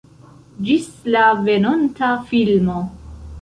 Ĝis la venonta filmo